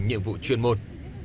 nhiệm vụ chuyên môn